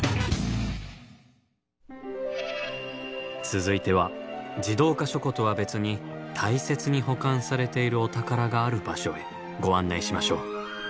続いては自動化書庫とは別に大切に保管されているお宝がある場所へご案内しましょう。